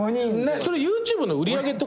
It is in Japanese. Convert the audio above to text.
それＹｏｕＴｕｂｅの売り上げってこと？